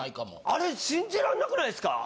あれ信じられなくないですか？